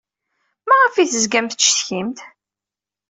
Maɣef ay tezgam tettcetkim-d?